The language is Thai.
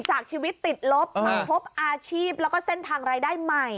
จากชีวิตติดลบมาพบอาชีพแล้วก็เส้นทางรายได้ใหม่